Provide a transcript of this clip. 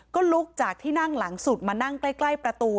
ก็ลุกจากที่นั่งหลังสุดมานั่งใกล้ประตู